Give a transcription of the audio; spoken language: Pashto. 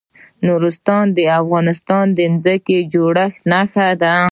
نورستان د افغانستان د ځمکې د جوړښت نښه ده.